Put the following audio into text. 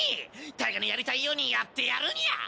タイガのやりたいようにやってやるニャ！